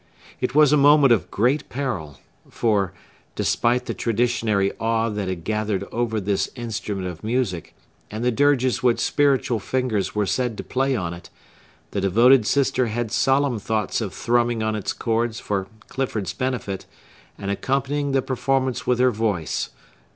It was a moment of great peril; for,—despite the traditionary awe that had gathered over this instrument of music, and the dirges which spiritual fingers were said to play on it,—the devoted sister had solemn thoughts of thrumming on its chords for Clifford's benefit, and accompanying the performance with her voice.